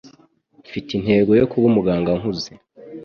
Mfite intego yo kuba umuganga nkuze.